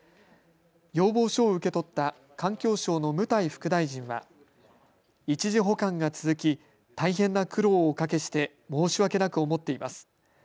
要望書を受け取った環境省の務台副大臣は一時保管が続き大変な苦労をおかけして申し訳なく思っています。